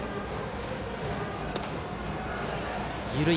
緩い